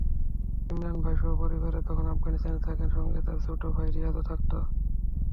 ইমরান ভাই সপরিবারে তখন আফগানিস্তানে থাকতেন, সঙ্গে তাঁর ছোট ভাই রিয়াজও থাকত।